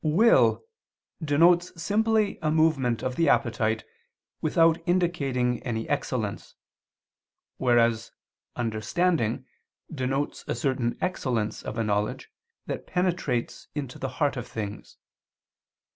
3: "Will" denotes simply a movement of the appetite without indicating any excellence; whereas "understanding" denotes a certain excellence of a knowledge that penetrates into the heart of things.